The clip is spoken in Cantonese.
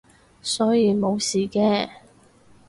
所以冇事嘅